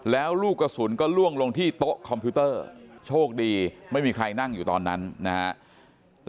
แล้วลูกกระสุนก็ล่วงลงที่โต๊ะคอมพิวเตอร์โชคดีไม่มีใครนั่งอยู่ตอนนั้นนะครับ